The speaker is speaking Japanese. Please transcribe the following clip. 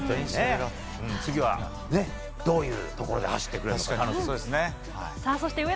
次はどういうところで走ってくれるのか、楽しみ。